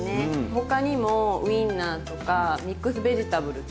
他にもウインナーとかミックスベジタブルとか。